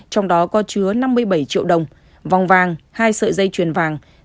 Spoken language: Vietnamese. trong đó có chứa năm mươi bảy triệu đồng vòng vàng hai sợi dây chuyền vàng